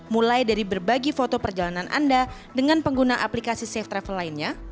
mulai dari berbagi foto perjalanan anda dengan pengguna aplikasi safe travel lainnya